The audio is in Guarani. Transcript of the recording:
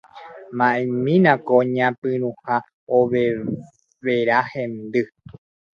ma'ẽmína ko ñapyrũha overa hendy.